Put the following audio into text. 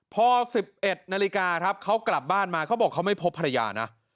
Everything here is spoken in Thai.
พอ๑๑นาฬิกาครับเขากลับบ้านมาเขาบอกเขาไม่พบภรรยานะ